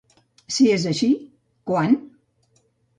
Si és així, quan?